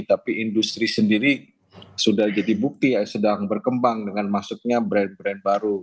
tapi industri sendiri sudah jadi bukti ya sedang berkembang dengan masuknya brand brand baru